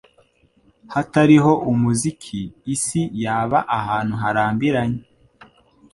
Hatariho umuziki, isi yaba ahantu harambiranye.